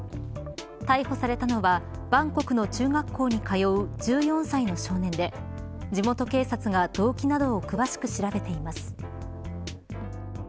逮捕されたのはバンコクの中学校に通う１４歳の少年で地元警察が動機などを詳しく調べています。